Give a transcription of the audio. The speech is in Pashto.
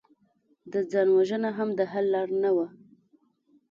د ځان وژنه هم د حل لاره نه وه